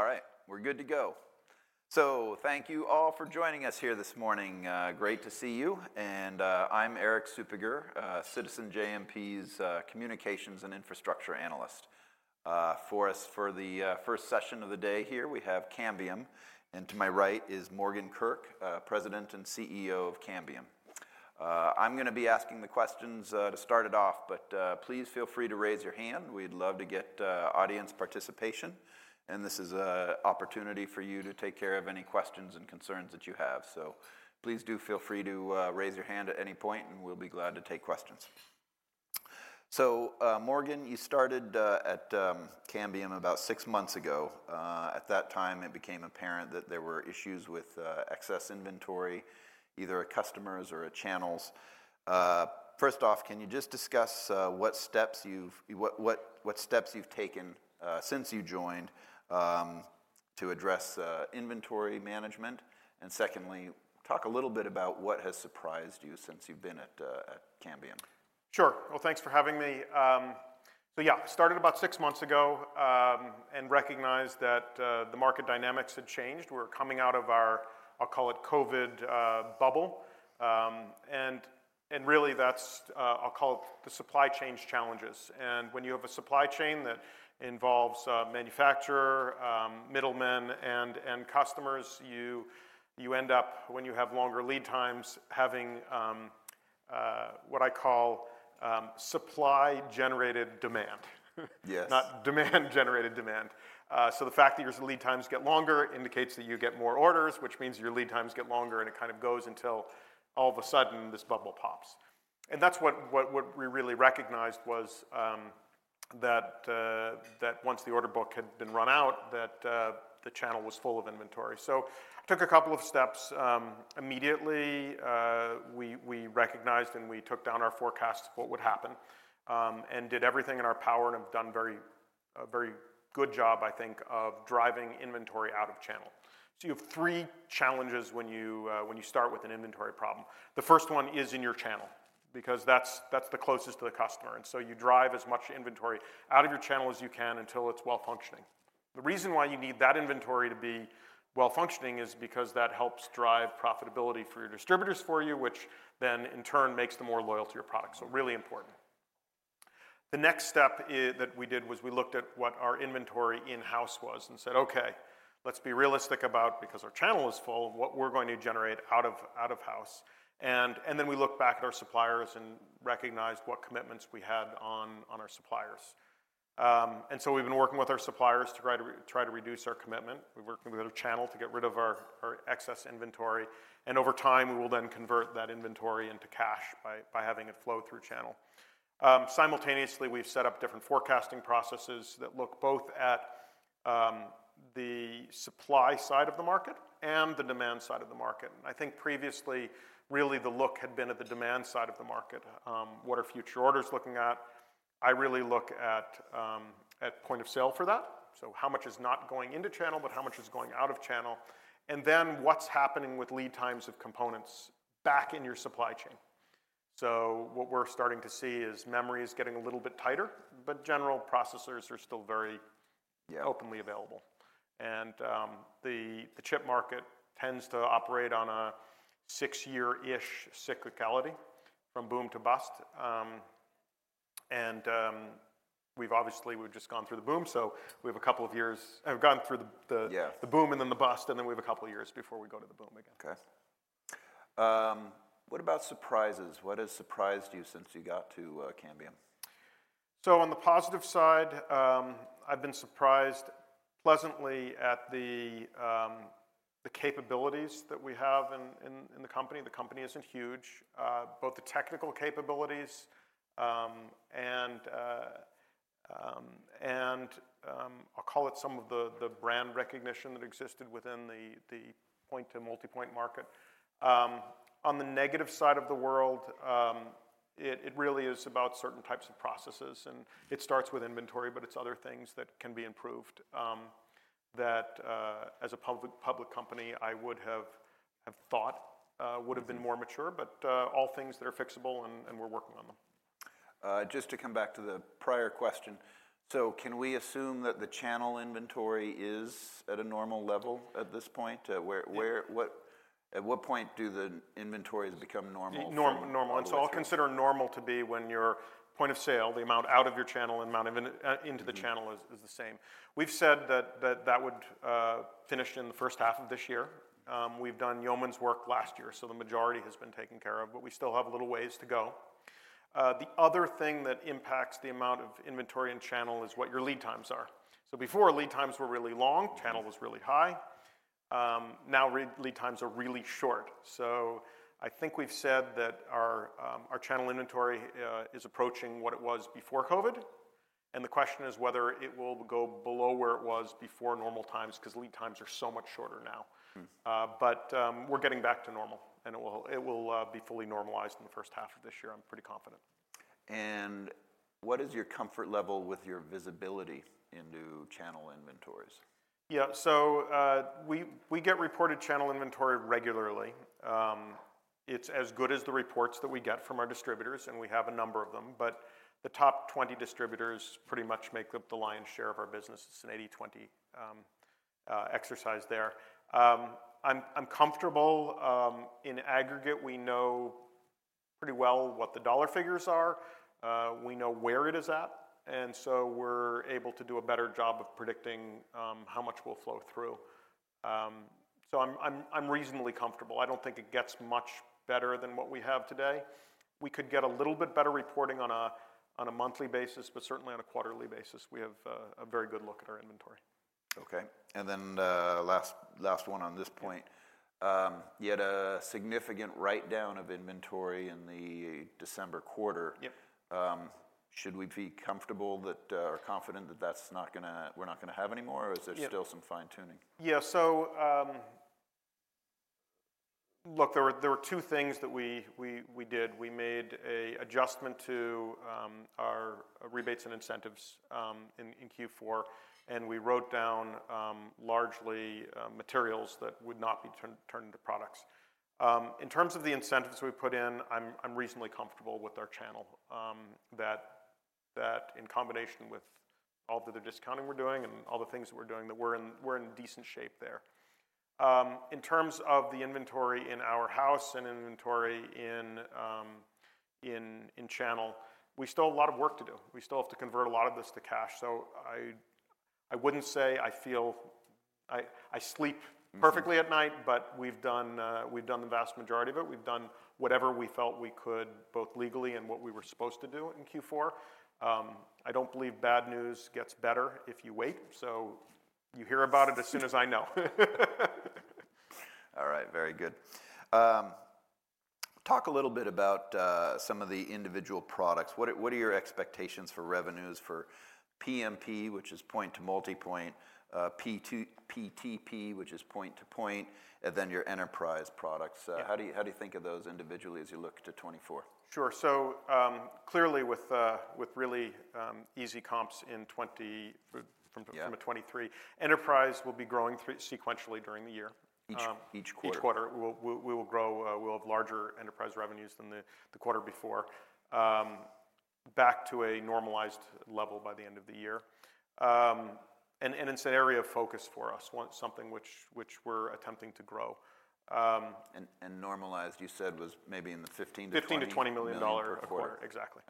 All right, we're good to go. So thank you all for joining us here this morning. Great to see you. I'm Erik Suppiger, Citizens JMP's Communications and Infrastructure Analyst. For the first session of the day here, we have Cambium. To my right is Morgan Kurk, President and CEO of Cambium. I'm going to be asking the questions to start it off. Please feel free to raise your hand. We'd love to get audience participation. This is an opportunity for you to take care of any questions and concerns that you have. So please do feel free to raise your hand at any point, and we'll be glad to take questions. So Morgan, you started at Cambium about six months ago. At that time, it became apparent that there were issues with excess inventory, either at customers or at channels. First off, can you just discuss what steps you've taken since you joined to address inventory management? And secondly, talk a little bit about what has surprised you since you've been at Cambium. Sure. Well, thanks for having me. So yeah, I started about six months ago and recognized that the market dynamics had changed. We were coming out of our, I'll call it, COVID bubble. And really, that's, I'll call it, the supply chain challenges. And when you have a supply chain that involves manufacturer, middlemen, and customers, you end up, when you have longer lead times, having what I call supply-generated demand, not demand-generated demand. So the fact that your lead times get longer indicates that you get more orders, which means your lead times get longer. And it kind of goes until all of a sudden, this bubble pops. And that's what we really recognized was that once the order book had been run out, that the channel was full of inventory. So I took a couple of steps. Immediately, we recognized and we took down our forecasts of what would happen and did everything in our power and have done a very good job, I think, of driving inventory out of channel. So you have three challenges when you start with an inventory problem. The first one is in your channel because that's the closest to the customer. And so you drive as much inventory out of your channel as you can until it's well-functioning. The reason why you need that inventory to be well-functioning is because that helps drive profitability for your distributors for you, which then, in turn, makes them more loyal to your product. So really important. The next step that we did was we looked at what our inventory in-house was and said, OK, let's be realistic about, because our channel is full, what we're going to generate out of house. And then we looked back at our suppliers and recognized what commitments we had on our suppliers. And so we've been working with our suppliers to try to reduce our commitment. We've worked with our channel to get rid of our excess inventory. And over time, we will then convert that inventory into cash by having it flow through channel. Simultaneously, we've set up different forecasting processes that look both at the supply side of the market and the demand side of the market. And I think previously, really, the look had been at the demand side of the market, what are future orders looking at. I really look at point of sale for that, so how much is not going into channel, but how much is going out of channel, and then what's happening with lead times of components back in your supply chain. What we're starting to see is memory is getting a little bit tighter, but general processors are still very openly available. The chip market tends to operate on a six-year-ish cyclicality from boom to bust. We've obviously just gone through the boom. We have a couple of years. We've gone through the boom and then the bust. Then we have a couple of years before we go to the boom again. OK. What about surprises? What has surprised you since you got to Cambium? So on the positive side, I've been surprised pleasantly at the capabilities that we have in the company. The company isn't huge, both the technical capabilities and, I'll call it, some of the brand recognition that existed within the point-to-multipoint market. On the negative side of the world, it really is about certain types of processes. And it starts with inventory, but it's other things that can be improved that, as a public company, I would have thought would have been more mature. But all things that are fixable, and we're working on them. Just to come back to the prior question, so can we assume that the channel inventory is at a normal level at this point? At what point do the inventories become normal? Normal. And so I'll consider normal to be when your point of sale, the amount out of your channel and amount into the channel, is the same. We've said that that would finish in the first half of this year. We've done yeoman's work last year, so the majority has been taken care of. But we still have little ways to go. The other thing that impacts the amount of inventory in channel is what your lead times are. So before, lead times were really long. Channel was really high. Now, lead times are really short. So I think we've said that our channel inventory is approaching what it was before COVID. And the question is whether it will go below where it was before normal times because lead times are so much shorter now. But we're getting back to normal. It will be fully normalized in the first half of this year, I'm pretty confident. What is your comfort level with your visibility into channel inventories? Yeah, so we get reported channel inventory regularly. It's as good as the reports that we get from our distributors. We have a number of them. The top 20 distributors pretty much make up the lion's share of our business. It's an 80/20 exercise there. I'm comfortable. In aggregate, we know pretty well what the dollar figures are. We know where it is at. So we're able to do a better job of predicting how much will flow through. So I'm reasonably comfortable. I don't think it gets much better than what we have today. We could get a little bit better reporting on a monthly basis, but certainly on a quarterly basis. We have a very good look at our inventory. OK. And then last one on this point, you had a significant write-down of inventory in the December quarter. Should we be comfortable or confident that we're not going to have any more? Or is there still some fine-tuning? Yeah, so look, there were two things that we did. We made an adjustment to our rebates and incentives in Q4. And we wrote down largely materials that would not be turned into products. In terms of the incentives we put in, I'm reasonably comfortable with our channel that, in combination with all of the other discounting we're doing and all the things that we're doing, that we're in decent shape there. In terms of the inventory in our house and inventory in channel, we still have a lot of work to do. We still have to convert a lot of this to cash. So I wouldn't say I feel I sleep perfectly at night. But we've done the vast majority of it. We've done whatever we felt we could, both legally and what we were supposed to do in Q4. I don't believe bad news gets better if you wait. So you hear about it as soon as I know. All right, very good. Talk a little bit about some of the individual products. What are your expectations for revenues for PMP, which is point-to-multipoint, PTP, which is point-to-point, and then your enterprise products? How do you think of those individually as you look to 2024? Sure. Clearly, with really easy comps from a 2023, enterprise will be growing sequentially during the year. Each quarter. Each quarter, we will grow. We'll have larger enterprise revenues than the quarter before, back to a normalized level by the end of the year and in an area of focus for us, something which we're attempting to grow. Normalized, you said, was maybe in the $15-$20. $15-$20 million per quarter. Exactly.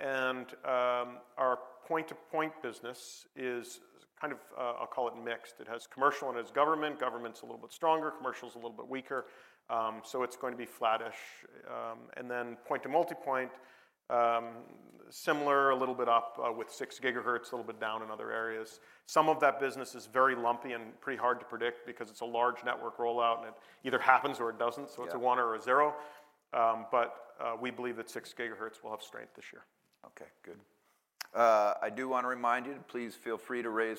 And our point-to-point business is kind of, I'll call it mixed. It has commercial and it has government. Government's a little bit stronger. Commercial's a little bit weaker. So it's going to be flattish. And then point-to-multipoint, similar, a little bit up with 6 gigahertz, a little bit down in other areas. Some of that business is very lumpy and pretty hard to predict because it's a large network rollout. And it either happens or it doesn't. So it's a 1 or a 0. But we believe that 6 gigahertz will have strength this year. OK, good. I do want to remind you, please feel free to raise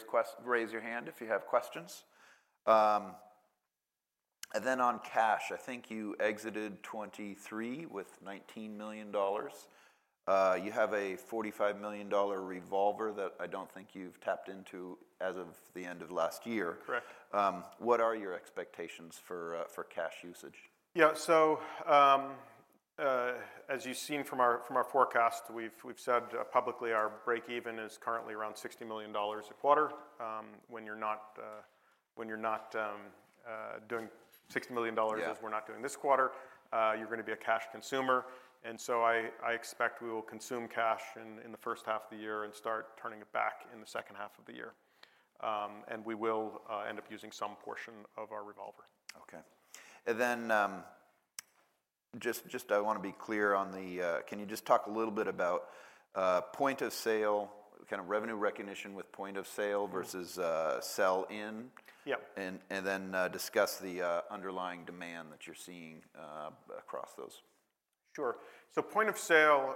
your hand if you have questions. And then on cash, I think you exited 2023 with $19 million. You have a $45 million revolver that I don't think you've tapped into as of the end of last year. What are your expectations for cash usage? Yeah, so as you've seen from our forecast, we've said publicly our break-even is currently around $60 million a quarter. When you're not doing $60 million as we're not doing this quarter, you're going to be a cash consumer. And so I expect we will consume cash in the first half of the year and start turning it back in the second half of the year. And we will end up using some portion of our revolver. OK. And then just I want to be clear on the can you just talk a little bit about point of sale, kind of revenue recognition with point of sale versus sell-in, and then discuss the underlying demand that you're seeing across those? Sure. So point of sale,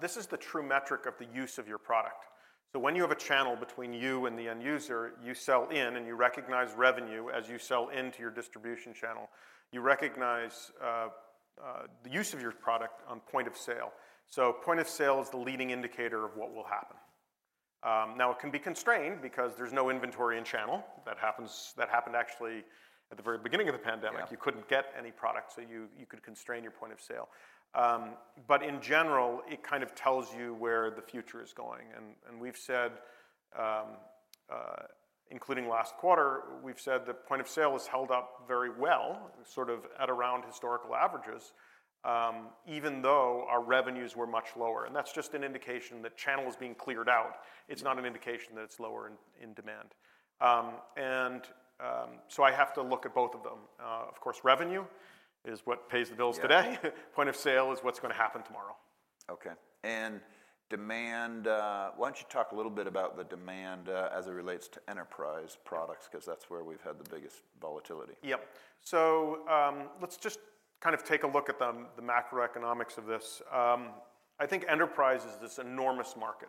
this is the true metric of the use of your product. So when you have a channel between you and the end user, you sell in. And you recognize revenue as you sell into your distribution channel. You recognize the use of your product on point of sale. So point of sale is the leading indicator of what will happen. Now, it can be constrained because there's no inventory in channel. That happened actually at the very beginning of the pandemic. You couldn't get any product. So you could constrain your point of sale. But in general, it kind of tells you where the future is going. And we've said, including last quarter, we've said that point of sale is held up very well, sort of at around historical averages, even though our revenues were much lower. That's just an indication that channel is being cleared out. It's not an indication that it's lower in demand. So I have to look at both of them. Of course, revenue is what pays the bills today. Point of sale is what's going to happen tomorrow. OK. Demand, why don't you talk a little bit about the demand as it relates to enterprise products because that's where we've had the biggest volatility? Yep. So let's just kind of take a look at the macroeconomics of this. I think enterprise is this enormous market,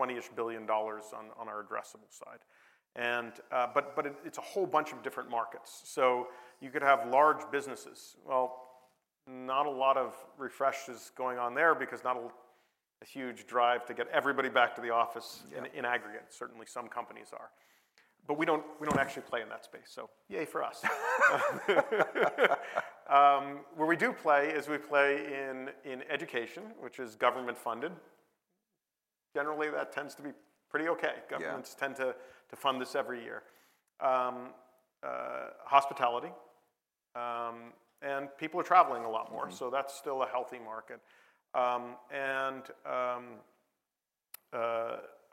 $20-ish billion on our addressable side. But it's a whole bunch of different markets. So you could have large businesses. Well, not a lot of refreshes going on there because not a huge drive to get everybody back to the office in aggregate. Certainly, some companies are. But we don't actually play in that space. So yay for us. Where we do play is we play in education, which is government-funded. Generally, that tends to be pretty OK. Governments tend to fund this every year. Hospitality. And people are traveling a lot more. So that's still a healthy market. And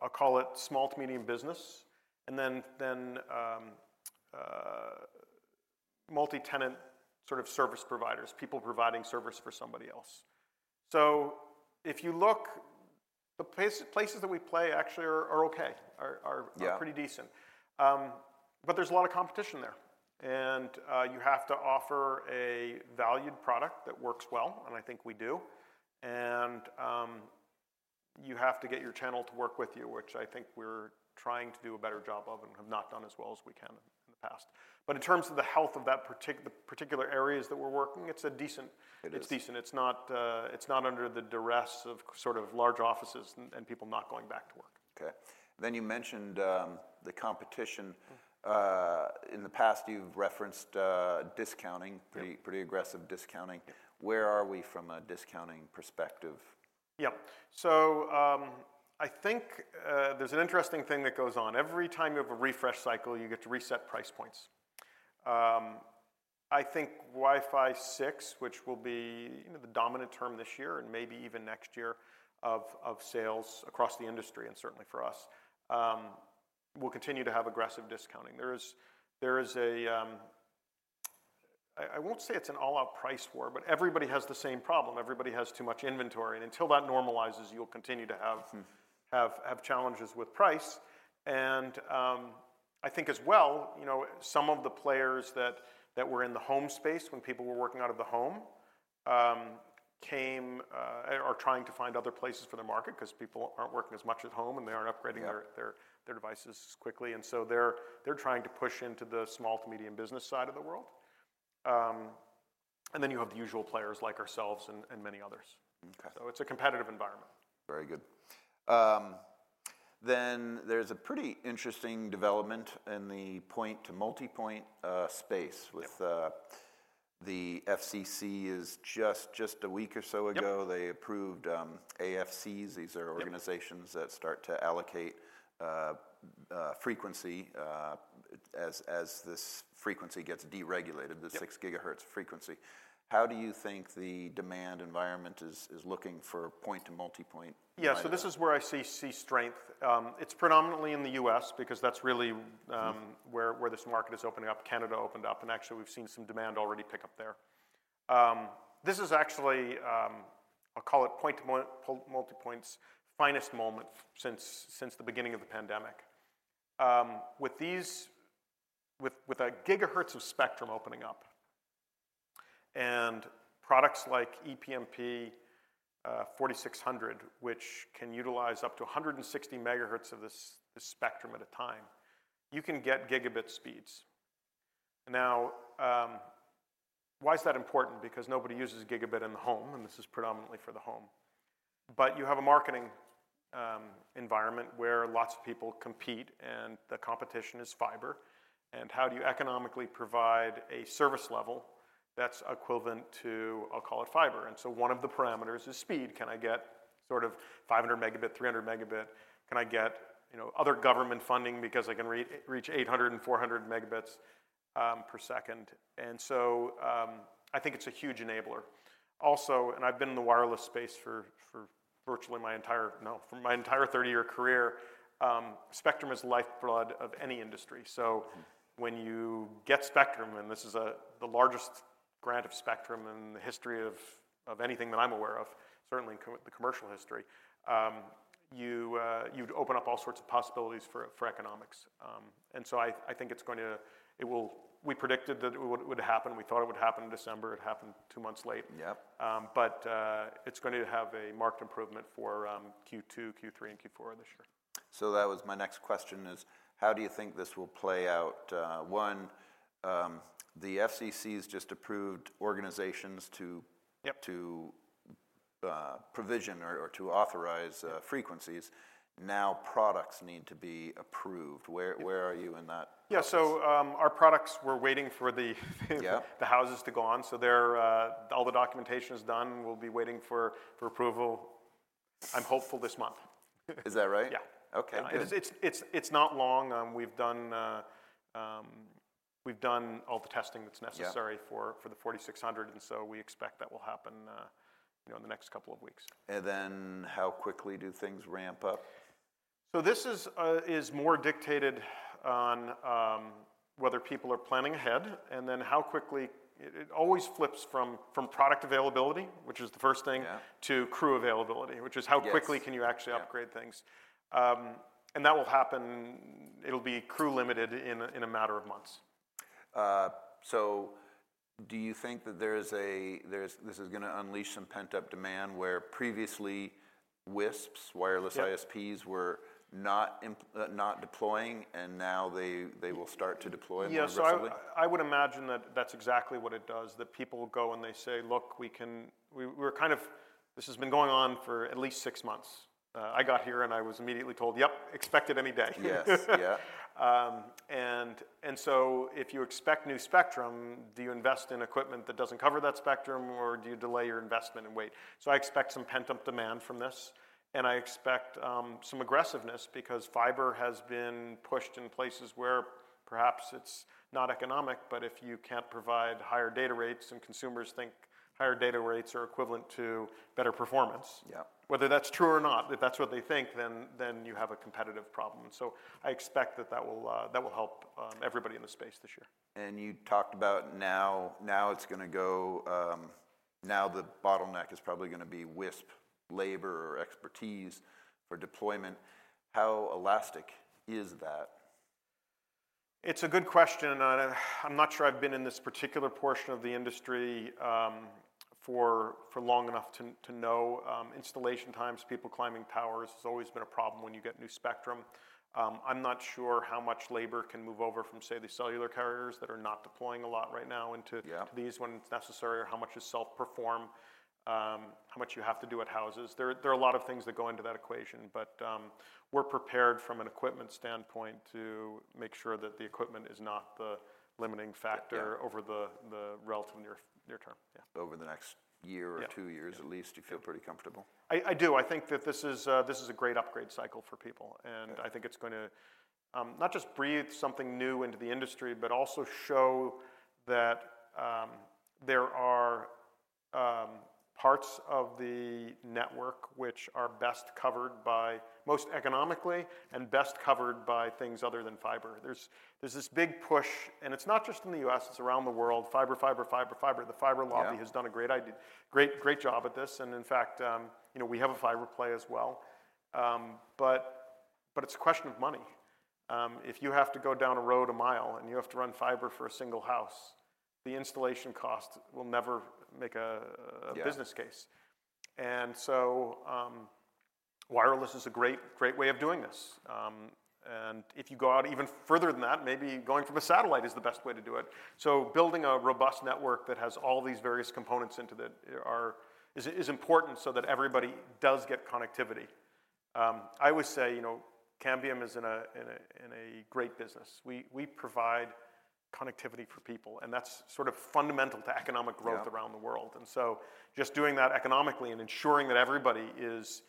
I'll call it small to medium business and then multi-tenant sort of service providers, people providing service for somebody else. So if you look, the places that we play actually are okay, are pretty decent. But there's a lot of competition there. And you have to offer a valued product that works well. And I think we do. And you have to get your channel to work with you, which I think we're trying to do a better job of and have not done as well as we can in the past. But in terms of the health of the particular areas that we're working, it's decent. It's not under the duress of sort of large offices and people not going back to work. Okay. Then you mentioned the competition. In the past, you've referenced discounting, pretty aggressive discounting. Where are we from a discounting perspective? Yep. So I think there's an interesting thing that goes on. Every time you have a refresh cycle, you get to reset price points. I think Wi-Fi 6, which will be the dominant term this year and maybe even next year of sales across the industry and certainly for us, will continue to have aggressive discounting. I won't say it's an all-out price war. But everybody has the same problem. Everybody has too much inventory. And until that normalizes, you'll continue to have challenges with price. And I think as well, some of the players that were in the home space when people were working out of the home are trying to find other places for their market because people aren't working as much at home. And they aren't upgrading their devices as quickly. And so they're trying to push into the small to medium business side of the world. And then you have the usual players like ourselves and many others. So it's a competitive environment. Very good. Then there's a pretty interesting development in the point-to-multipoint space with the FCC, is just a week or so ago, they approved AFCs. These are organizations that start to allocate frequency as this frequency gets deregulated, the 6 gigahertz frequency. How do you think the demand environment is looking for point-to-multipoint demand? Yeah, so this is where I see strength. It's predominantly in the U.S. because that's really where this market is opening up. Canada opened up. And actually, we've seen some demand already pick up there. This is actually, I'll call it point-to-multipoint's finest moment since the beginning of the pandemic. With a gigahertz of spectrum opening up and products like ePMP 4600, which can utilize up to 160 MHz of this spectrum at a time, you can get gigabit speeds. Now, why is that important? Because nobody uses gigabit in the home. And this is predominantly for the home. But you have a marketing environment where lots of people compete. And the competition is fiber. And how do you economically provide a service level that's equivalent to, I'll call it fiber? And so one of the parameters is speed. Can I get sort of 500 megabit, 300 megabit? Can I get other government funding because I can reach 800 and 400 Mbps? And so I think it's a huge enabler. Also, I've been in the wireless space for virtually my entire 30-year career. Spectrum is lifeblood of any industry. So when you get spectrum and this is the largest grant of spectrum in the history of anything that I'm aware of, certainly in the commercial history, you'd open up all sorts of possibilities for economics. And so I think it's going to. We predicted that it would happen. We thought it would happen in December. It happened 2 months late. But it's going to have a marked improvement for Q2, Q3, and Q4 this year. So that was my next question is, how do you think this will play out? One, the FCC has just approved organizations to provision or to authorize frequencies. Now, products need to be approved. Where are you in that? Yeah, so our products, we're waiting for the houses to go on. So all the documentation is done. We'll be waiting for approval, I'm hopeful, this month. Is that right? Yeah. OK. It's not long. We've done all the testing that's necessary for the 4600. And so we expect that will happen in the next couple of weeks. How quickly do things ramp up? This is more dictated on whether people are planning ahead. Then how quickly it always flips from product availability, which is the first thing, to crew availability, which is how quickly can you actually upgrade things. That will happen. It'll be crew-limited in a matter of months. Do you think that this is going to unleash some pent-up demand where previously, WISPs, wireless ISPs, were not deploying? Now, they will start to deploy more rapidly? Yeah, so I would imagine that that's exactly what it does, that people go and they say, look, we can we're kind of this has been going on for at least six months. I got here. I was immediately told, yep, expect it any day. Yes. Yeah. So if you expect new spectrum, do you invest in equipment that doesn't cover that spectrum? Or do you delay your investment and wait? So I expect some pent-up demand from this. And I expect some aggressiveness because fiber has been pushed in places where perhaps it's not economic. But if you can't provide higher data rates, and consumers think higher data rates are equivalent to better performance, whether that's true or not, if that's what they think, then you have a competitive problem. And so I expect that that will help everybody in the space this year. You talked about now it's going to go now, the bottleneck is probably going to be WISP labor or expertise for deployment. How elastic is that? It's a good question. And I'm not sure I've been in this particular portion of the industry for long enough to know. Installation times, people climbing towers has always been a problem when you get new spectrum. I'm not sure how much labor can move over from, say, the cellular carriers that are not deploying a lot right now into these when it's necessary or how much is self-perform, how much you have to do at houses. There are a lot of things that go into that equation. But we're prepared from an equipment standpoint to make sure that the equipment is not the limiting factor over the relative near term. Over the next year or two years, at least, you feel pretty comfortable? I do. I think that this is a great upgrade cycle for people. And I think it's going to not just breathe something new into the industry but also show that there are parts of the network which are best covered by most economically and best covered by things other than fiber. There's this big push. And it's not just in the U.S. It's around the world. Fiber, fiber, fiber, fiber. The fiber lobby has done a great job at this. And in fact, we have a fiber play as well. But it's a question of money. If you have to go down a road a mile and you have to run fiber for a single house, the installation cost will never make a business case. And so wireless is a great way of doing this. If you go out even further than that, maybe going from a satellite is the best way to do it. So building a robust network that has all these various components into it is important so that everybody does get connectivity. I always say Cambium is in a great business. We provide connectivity for people. And that's sort of fundamental to economic growth around the world. And so just doing that economically and ensuring that everybody is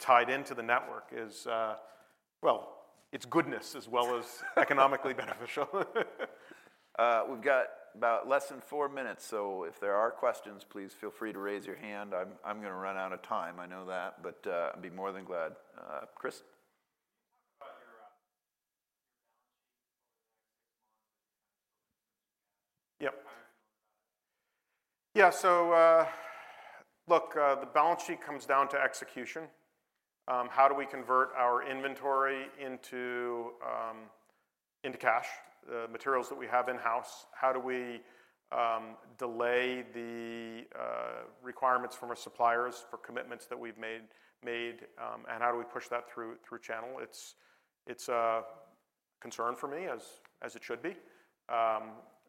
tied into the network is, well, it's goodness as well as economically beneficial. We've got about less than four minutes. So if there are questions, please feel free to raise your hand. I'm going to run out of time. I know that. But I'd be more than glad. Chris? Can you talk about your balance sheet over the next six months as you kind of sort of increase your cash? Yep. How are you feeling about it? Yeah, so look, the balance sheet comes down to execution. How do we convert our inventory into cash, the materials that we have in-house? How do we delay the requirements from our suppliers for commitments that we've made? And how do we push that through channel? It's a concern for me as it should be.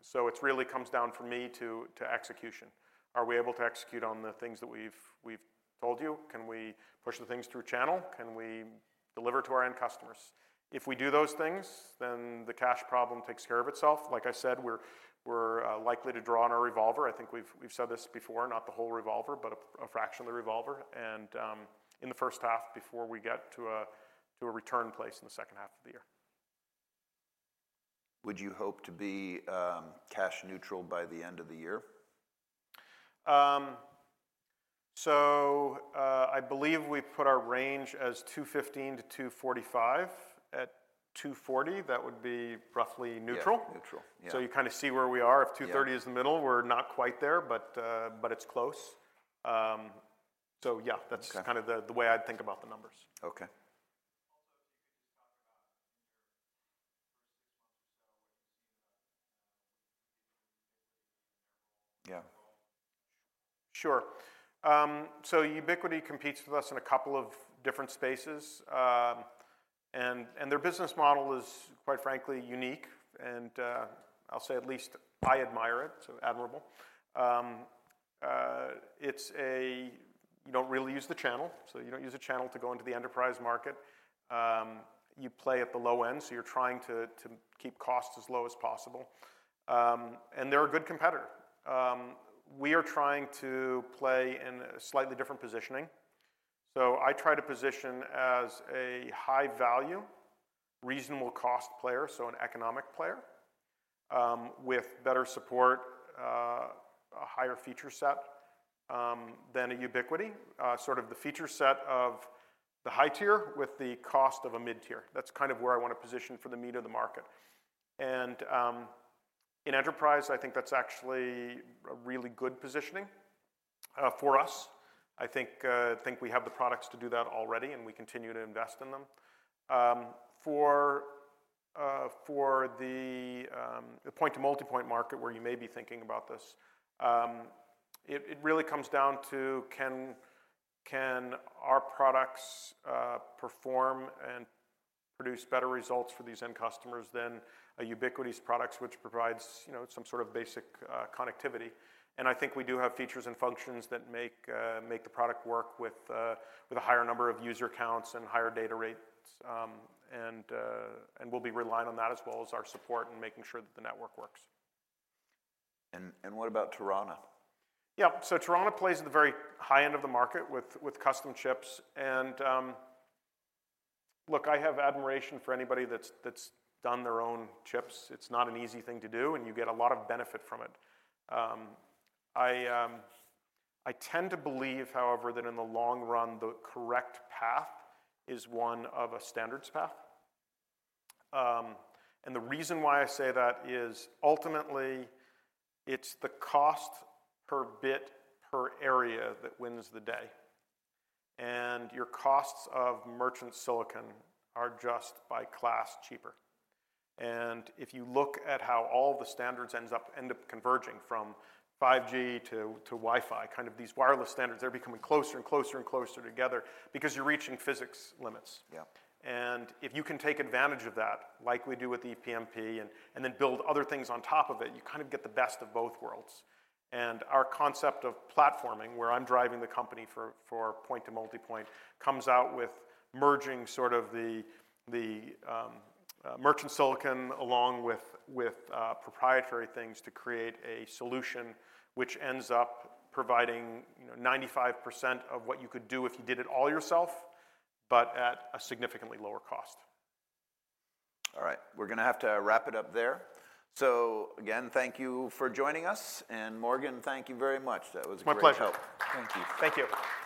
So it really comes down for me to execution. Are we able to execute on the things that we've told you? Can we push the things through channel? Can we deliver to our end customers? If we do those things, then the cash problem takes care of itself. Like I said, we're likely to draw on our revolver. I think we've said this before, not the whole revolver but a fraction of the revolver in the first half before we get to a return place in the second half of the year. Would you hope to be cash neutral by the end of the year? So I believe we put our range as $215-$245. At $240, that would be roughly neutral. So you kind of see where we are. If $230 is the middle, we're not quite there. But it's close. So yeah, that's kind of the way I'd think about the numbers. OK. Also, if you could just talk about in your first six months or so what you've seen about with Ubiquiti and their role in the world. Sure. So Ubiquiti competes with us in a couple of different spaces. And their business model is, quite frankly, unique. And I'll say at least I admire it, so admirable. It's a you don't really use the channel. So you don't use a channel to go into the enterprise market. You play at the low end. So you're trying to keep costs as low as possible. And they're a good competitor. We are trying to play in a slightly different positioning. So I try to position as a high-value, reasonable-cost player, so an economic player with better support, a higher feature set than a Ubiquiti, sort of the feature set of the high tier with the cost of a mid tier. That's kind of where I want to position for the meat of the market. And in enterprise, I think that's actually a really good positioning for us. I think we have the products to do that already. And we continue to invest in them. For the point-to-multipoint market, where you may be thinking about this, it really comes down to can our products perform and produce better results for these end customers than Ubiquiti's products, which provides some sort of basic connectivity? And I think we do have features and functions that make the product work with a higher number of user counts and higher data rates. And we'll be relying on that as well as our support and making sure that the network works. What about Tarana? Yeah, so Tarana plays at the very high end of the market with custom chips. Look, I have admiration for anybody that's done their own chips. It's not an easy thing to do. You get a lot of benefit from it. I tend to believe, however, that in the long run, the correct path is one of a standards path. The reason why I say that is, ultimately, it's the cost per bit per area that wins the day. Your costs of merchant silicon are just by class cheaper. If you look at how all of the standards end up converging from 5G to Wi-Fi, kind of these wireless standards, they're becoming closer and closer and closer together because you're reaching physics limits. If you can take advantage of that, like we do with ePMP, and then build other things on top of it, you kind of get the best of both worlds. Our concept of platforming, where I'm driving the company for point-to-multipoint, comes out with merging sort of the merchant silicon along with proprietary things to create a solution which ends up providing 95% of what you could do if you did it all yourself but at a significantly lower cost. All right. We're going to have to wrap it up there. So again, thank you for joining us. And Morgan, thank you very much. That was a great help. My pleasure. Thank you. Thank you.